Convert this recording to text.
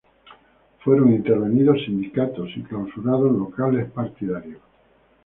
Fueron intervenidos sindicatos y clausurados locales partidarios.